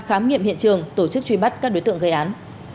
khám nghiệm hiện trường tổ chức truy bắt các đối tượng gây án